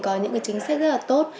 có những chính sách rất là tốt